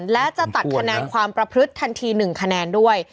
และจะตัดคะแนนความประพฤติทันที๑คะแนนด้วย